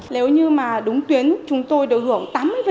nếu như mà đúng tuyến chúng tôi được hưởng tám mươi